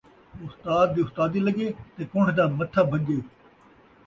استاد دی استادی لڳے تے کُن٘ڈھ دا متھا بھڄے